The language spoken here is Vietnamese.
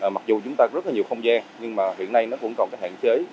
mặc dù chúng ta có rất là nhiều không gian nhưng mà hiện nay nó cũng còn cái hạn chế